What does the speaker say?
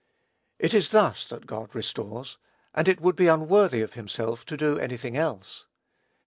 It is thus that God restores, and it would be unworthy of himself to do any thing else.